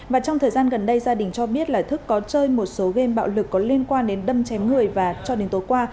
và trong thời gian gần đây gia đình cho biết là thức có chơi một số game bạo lực có liên quan đến đâm chém người và cho đến tối qua